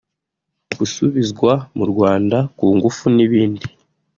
gusubizwa mu Rwanda ku ngufu n’ibindi…